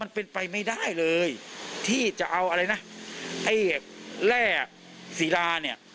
มันเป็นไปไม่ได้เลยที่จะเอาอะไรนะให้แรกศีรา